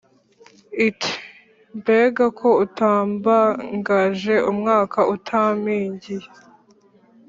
Iti "mbega ko utembagaje umwaka utampingiye,